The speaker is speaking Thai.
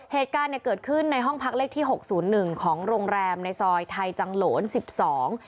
เหตุการณ์เกิดขึ้นในห้องพักเลขที่๖๐๑ของโรงแรมในซอยไทยจังหลวน๑๒